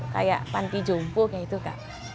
kayak panti jombok gitu kak